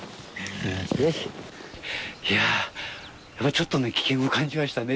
ちょっと危険を感じましたね。